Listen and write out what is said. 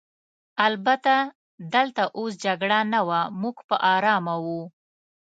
البته دلته اوس جګړه نه وه، موږ په آرامه وو.